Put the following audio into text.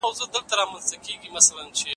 شافعي فقهاء په کوم حالت کې طلاق نه واقع کوي؟